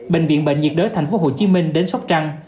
bệnh viện bệnh nhiệt đới thành phố hồ chí minh đến sóc trăng